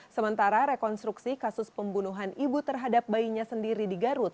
sementara rekonstruksi kasus pembunuhan ibu terhadap bayinya sendiri di garut